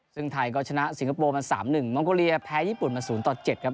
ซึ่งไทยก็ชนะสิงคโปร์มาสามหนึ่งมองโกเลียแพ้ญี่ปุ่นมาศูนย์ต่อเจ็ดครับ